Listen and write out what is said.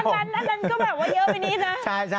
อันนั้นก็แบบเยอะไปนี่นะ